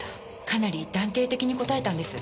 かなり断定的に答えたんです。